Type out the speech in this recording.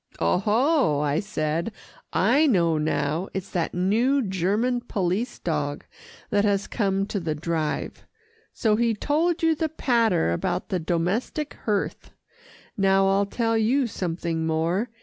"Oho!" I said. "I know now. It's that new German police dog that has come to the Drive. So he told you the patter about the domestic hearth. Now I'll tell you something more.